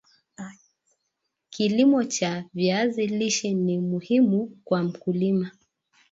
Kilimo cha viazi lishe ni muhimu kwa mkulima